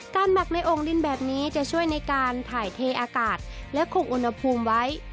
หมักในโอ่งดินแบบนี้จะช่วยในการถ่ายเทอากาศและคงอุณหภูมิไว้